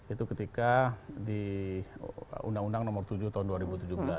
itu ketika di undang undang nomor tujuh tahun dua ribu tujuh belas